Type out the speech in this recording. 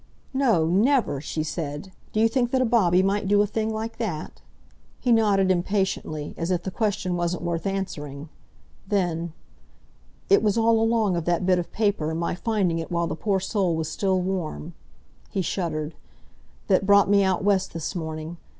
"No, never!" she said. "D'you think that a Bobby might do a thing like that?" He nodded impatiently, as if the question wasn't worth answering. Then, "It was all along of that bit of paper and my finding it while the poor soul was still warm,"—he shuddered—"that brought me out West this morning.